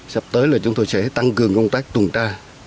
sắp tới là chúng tôi sẽ tăng cường công tác tuần tra